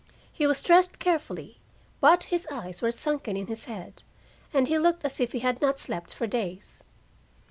He was dressed carefully, but his eyes were sunken in his head, and he looked as if he had not slept for days.